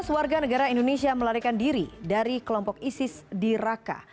lima belas warga negara indonesia melarikan diri dari kelompok isis di raka